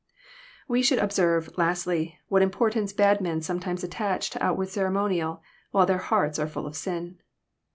We should observe, lastly, what importance bad men aowjetimes attack to outward ceremonial, while their hearts are full of sin.